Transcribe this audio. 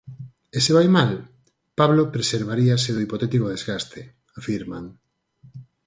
E se vai mal, Pablo preservaríase do hipotético desgaste, afirman.